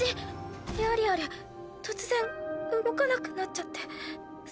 エアリアル突然動かなくなっちゃってその。